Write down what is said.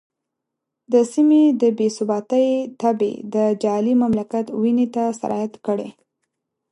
د سیمې د بې ثباتۍ تبې د جعلي مملکت وینې ته سرایت کړی.